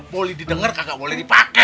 boleh didenger kagak boleh dipake